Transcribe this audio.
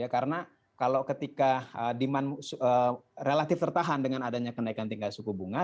karena kalau ketika demand relatif tertahan dengan adanya kenaikan tingkat suku bunga